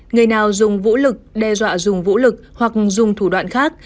người nào dùng vũ lực đe dọa dùng vũ lực hoặc dùng thủ đoạn khác